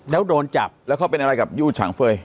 แล้วโดนจับแล้วเขาเป็นอะไรกับยู่ฉางเฟย์